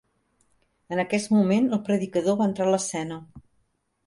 En aquest moment el predicador va entrar l'escena.